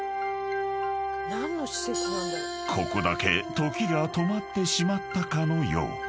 ［ここだけ時が止まってしまったかのよう］